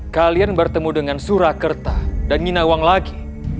kalian bertemu dengan surakerta dan nyinawang lagi